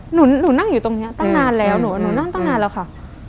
หนูนั่งอยู่ตรงนี้ตั้งนานแล้วหนูนั่งตั้งนานแล้วค่ะ